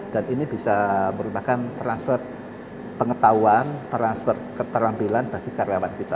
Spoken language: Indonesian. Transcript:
dan ini bisa merupakan transfer pengetahuan transfer keterampilan bagi karyawan kita